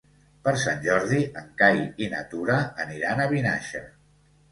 Per Sant Jordi en Cai i na Tura aniran a Vinaixa.